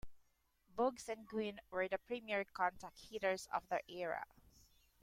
Boggs and Gwynn were the premier contact hitters of their era.